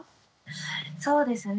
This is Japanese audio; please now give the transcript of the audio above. そうですね